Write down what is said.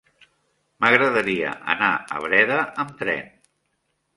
M'agradaria anar a Breda amb tren.